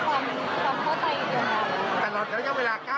คุณผู้สามารถได้คิดคุณผู้สามารถได้คิด